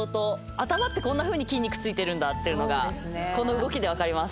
頭ってこんなふうに筋肉ついてるんだっていうのがこの動きで分かります。